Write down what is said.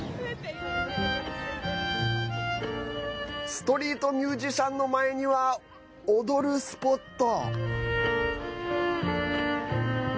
ストリートミュージシャンの前には、踊るスポット。